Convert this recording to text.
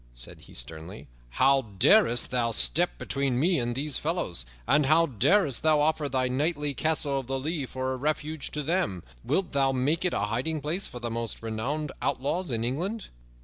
said he sternly. "How darest thou step between me and these fellows? And how darest thou offer thy knightly Castle of the Lea for a refuge to them? Wilt thou make it a hiding place for the most renowned outlaws in England?"